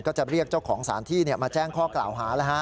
ก็จะเรียกเจ้าของสารที่มาแจ้งข้อกล่าวหา